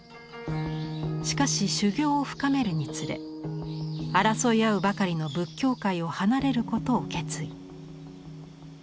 しかし修行を深めるにつれ争い合うばかりの仏教界を離れることを決意。